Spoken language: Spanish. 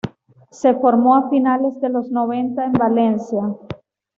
Se formó a finales de los noventa en Valencia.